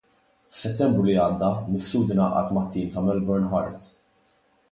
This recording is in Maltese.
F'Settembru li għadda, Mifsud ingħaqad mat-tim ta' Melbourne Heart.